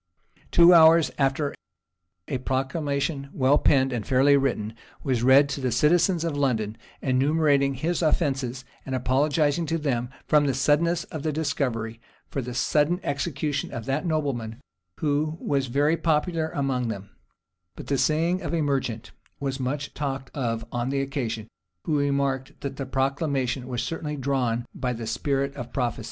[*] Two hours after, a proclamation, well penned, and fairly written, was read to the citizens of London, enumerating his offenses, and apologizing to them, from the suddenness of the discovery, for the sudden execution of that nobleman, who was very popular among them; but the saying of a merchant was much talked of on the occasion, who remarked, that the proclamation was certainly drawn by the spirit of prophecy.